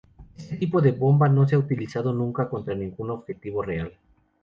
Este tipo de bomba no se ha utilizado nunca contra ningún objetivo real.